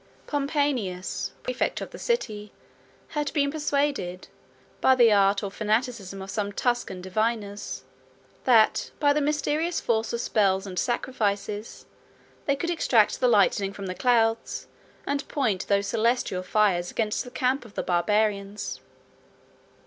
Pompeianus, præfect of the city, had been persuaded, by the art or fanaticism of some Tuscan diviners, that, by the mysterious force of spells and sacrifices, they could extract the lightning from the clouds, and point those celestial fires against the camp of the Barbarians.